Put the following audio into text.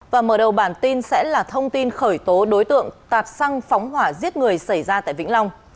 và mở đầu bản tin sẽ là thông tin khởi tố đối tượng tạt xăng phóng hỏa giết người xảy ra tại vĩnh long